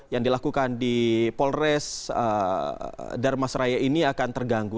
yang dilakukan di polres dharmasraya ini akan terganggu